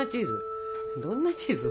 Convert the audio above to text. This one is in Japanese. どんなチーズ？